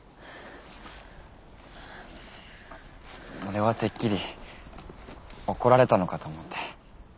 俺はてっきり怒られたのかと思って。